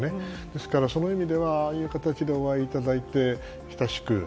ですから、その意味ではああいう形でお会いいただいて親しく。